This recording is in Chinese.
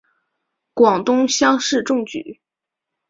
广东乡试中举。